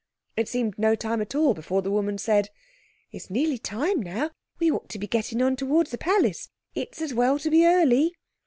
It seemed no time at all before the woman said— "It's nearly time now. We ought to be getting on towards the palace. It's as well to be early."